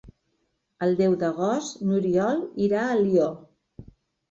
El deu d'agost n'Oriol irà a Alió.